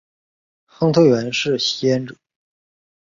亨特原是吸烟者。